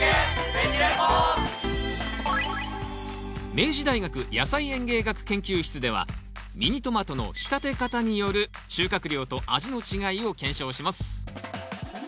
明治大学野菜園芸学研究室ではミニトマトの仕立て方による収穫量と味の違いを検証します。